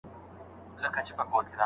ډېر ږدن او پاڼي تل له کړکۍ څخه راځي.